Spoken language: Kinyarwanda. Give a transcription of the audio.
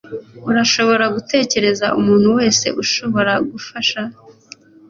Urashobora gutekereza umuntu wese ushobora gufasha?